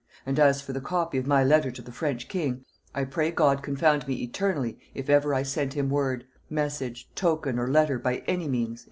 And as for the copy of my letter to the French king, I pray God confound me eternally, if ever I sent him word, message, token, or letter, by any means."